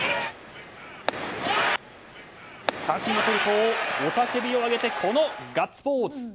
三振をとると雄たけびを上げてこのガッツポーズ。